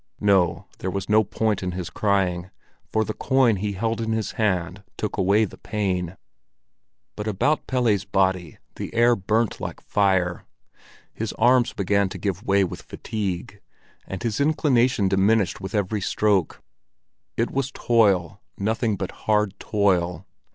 No, there was no point in his crying, for the coin he held in his hand took away the pain. But about Pelle's body the air burnt like fire, his arms began to give way with fatigue, and his inclination diminished with every stroke. It was toil, nothing but hard toil.